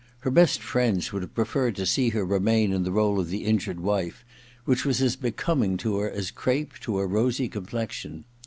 Her best friends would have preferred to see her remain in the role of the injured wife, which was as becoming to her as crape to a rosy complexion.